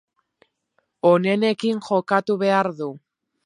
Onenekin jokatu behar du.